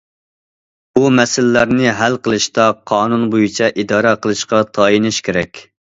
بۇ مەسىلىلەرنى ھەل قىلىشتا قانۇن بويىچە ئىدارە قىلىشقا تايىنىش كېرەك.